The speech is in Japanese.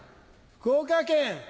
福岡県！